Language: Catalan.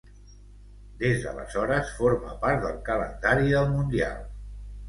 Des d'aleshores forma part del calendari del mundial.